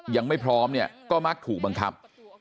ยังไม่พร้อมเนี่ยก็มักถูกบังคับ